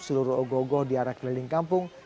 seluruh ogo ogo di arah keliling kampung